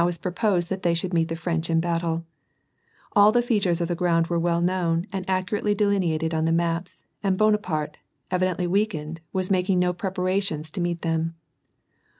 was proposed that they should meet the French in battle ; all the features of the ground were well known, and accurately delineated on the maps, and Bonaparte, evidently weakened, was making no preparations to meet them.